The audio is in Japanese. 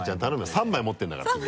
３枚持ってるんだから君ね。